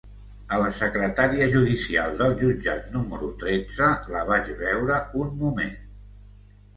A la secretària judicial del jutjat número tretze la vaig veure un moment.